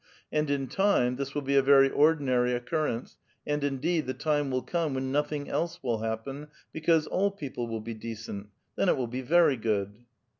And, in time, this will be a very ordinary occurrence, and, indeed, the time will come when nothinjjf else will hapi)en, because all people will be decent. Then it will bo very good